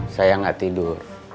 saya gak tidur